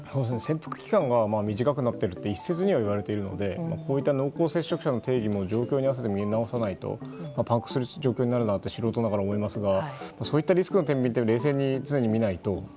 潜伏期間が短くなっていると一説には言われているのでこういった濃厚接触者の定義も状況に合わせて見直さないとパンクする状況になるなと素人ながら思いますがそういったリスクの天秤って冷静に、常に見ないと。